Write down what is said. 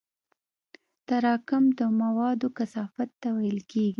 تراکم د موادو کثافت ته ویل کېږي.